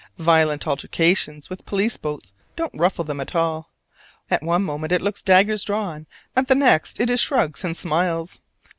Violent altercations with police boats don't ruffle them at all; at one moment it looks daggers drawn; at the next it is shrugs and smiles.